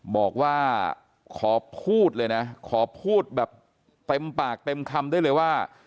บอกว่าขอพูดเลยนะขอพูดแบบเต็มปากเต็มคำได้เลยว่า